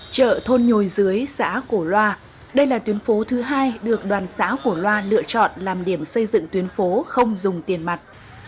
chợ thôn nhồi dưới xã cổ loa đây là tuyến phố thứ hai được đoàn xã cổ loa lựa chọn làm điểm xây dựng tuyến phố không dùng tiền mặt